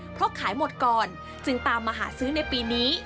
เพราะขายหมดก่อนจึงตามมาหาซื้อในปีนี้